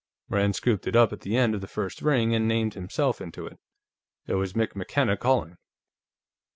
Rand scooped it up at the end of the first ring and named himself into it. It was Mick McKenna calling.